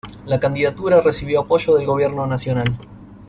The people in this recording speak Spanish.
La candidatura recibió apoyo del gobierno nacional.